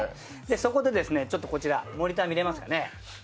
そこでこちら、モニター見れますかね？